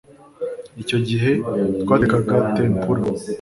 Icyo gihe twatekaga tempura